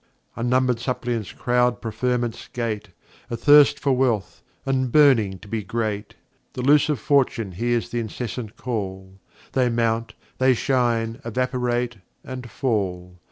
[e]Unnumber'd Suppliants croud Preferment's Gate, Athirst for Wealth, and burning to be great; Delusive Fortune hears th' incessant Call, They mount, they shine, evaporate, and fall.